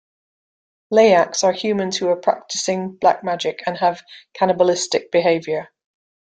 Leyaks are humans who are practicing black magic and have cannibalistic behavior.